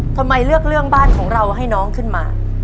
ทำไมเลือกเรื่องบ้านของเราให้น้องขึ้นมา